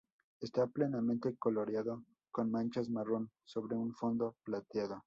Esta plenamente coloreado con manchas marrón sobre un fondo plateado.